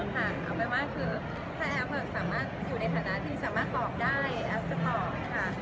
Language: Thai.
เอาเป็นว่าคือถ้าแอฟสามารถอยู่ในฐานะที่สามารถตอบได้แอฟสปอร์ตค่ะ